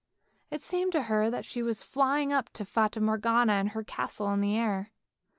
It seemed to her that she was flying up to Fata Morgana in her castle in the air.